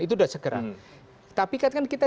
itu sudah segera tapi kan kita